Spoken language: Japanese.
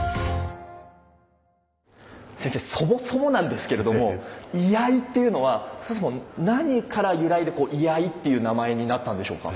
先生そもそもなんですけれども「居合」っていうのは何から由来で居合っていう名前になったんでしょうか？